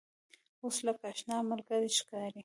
اوس لکه آشنا ملګری ښکاري.